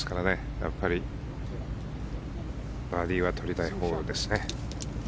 やっぱりバーディーは取りたいホールですね。